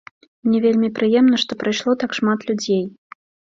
Мне вельмі прыемна, што прыйшло так шмат людзей.